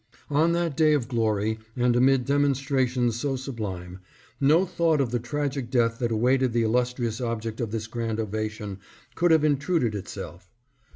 On that day of glory, and amid demonstrations so sublime, no thought of the tragic death that awaited the illustrious object of this grand ovation could have intruded itself.